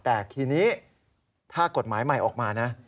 แต่ทีนี้ถ้ากฎหมายใหม่ออกมานะ